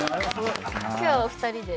今日はお二人で。